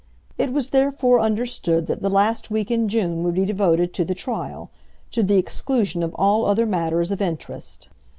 It was therefore understood that the last week in June would be devoted to the trial, to the exclusion of all other matters of interest.